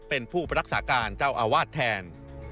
เป็นผู้รักษาการเจ้าอาวาสแทน